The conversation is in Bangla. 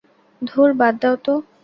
ধুর বাদ দাও তো।